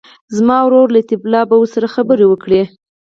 زما ورور لطیف الله به ورسره خبرې وکړي.